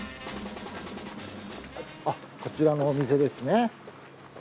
あっこちらのお店ですね。